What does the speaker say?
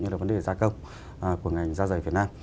như là vấn đề gia công của ngành da dày việt nam